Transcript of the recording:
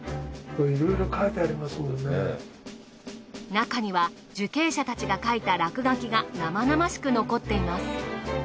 中には受刑者たちが書いた落書きが生々しく残っています。